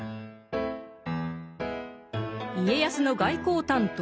家康の外交担当